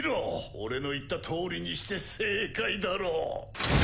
俺の言ったとおりにして正解だろう。